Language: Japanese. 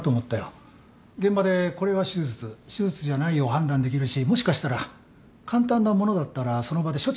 現場でこれは手術手術じゃないを判断できるしもしかしたら簡単なものだったらその場で処置できるから。